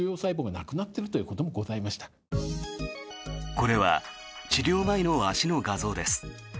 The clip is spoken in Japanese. これは治療前の足の画像です。